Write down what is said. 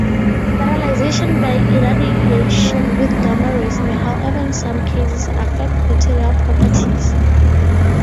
Sterilization by irradiation with gamma rays may however in some cases affect material properties.